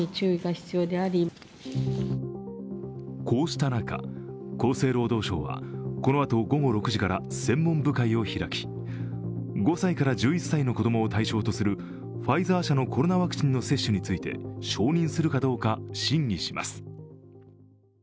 こうした中、厚生労働省はこのあと午後６時から専門部会を開き、５歳から１１歳の子供を対象とするファイザー社のコロナワクチンの接種について承認するかどうか審議します。